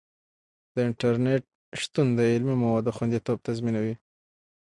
د انټرنیټ شتون د علمي موادو خوندیتوب تضمینوي.